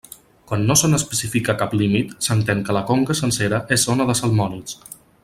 Quan no se n'especifica cap límit, s'entén que la conca sencera és zona de salmònids.